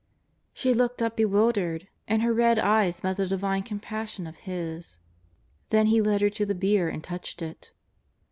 She looked up bewildered, and her red eyes met the JESUS OF NAZAEETH. 211 divine Gompassion of His. Tlien He led her to the bier and touched it.